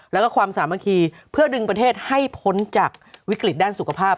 แล้วก็ความสามัคคีเพื่อดึงประเทศให้พ้นจากวิกฤตด้านสุขภาพ